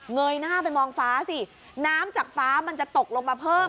ยหน้าไปมองฟ้าสิน้ำจากฟ้ามันจะตกลงมาเพิ่ม